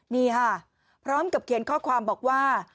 นี่ค่ะพร้อมกับเขียนข้อความบอกว่า